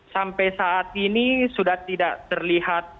sampai saat ini sudah tidak terlihat